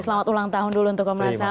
selamat ulang tahun dulu untuk komnas ham